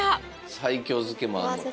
西京漬けもあるのか。